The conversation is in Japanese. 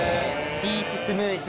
ピーチスムージー。